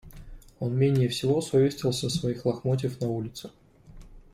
Он менее всего совестился своих лохмотьев на улице.